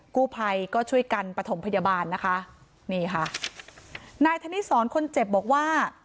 กู้ภัยก็ช่วยกันประถมพยาบาลนะคะนี่ค่ะนายธนิสรคนเจ็บบอกว่า